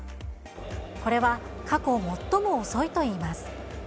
これは過去最も遅いといいます。